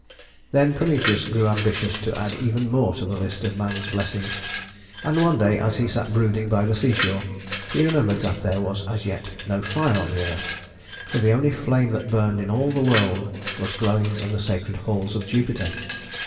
Then Prometheus grew ambitious to add even more to the list of man's blessings; and one day, as he sat brooding by the seashore, he remembered that there was as yet no fire on the earth; for the only flame that burned in all the world was glowing in the sacred halls of Jupiter.